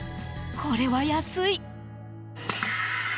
これは安い。